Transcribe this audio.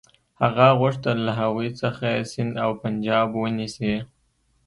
هغه غوښتل له هغوی څخه سند او پنجاب ونیسي.